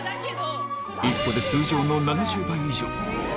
１個で通常の７０倍以上。